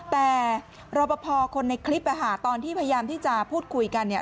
แต่รอปภคนในคลิปตอนที่พยายามที่จะพูดคุยกันเนี่ย